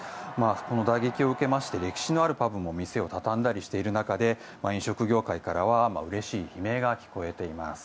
その打撃を受けて歴史のあるパブも店を畳んだりしている中で飲食業界からはうれしい悲鳴が聞こえています。